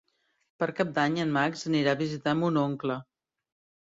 Per Cap d'Any en Max anirà a visitar mon oncle.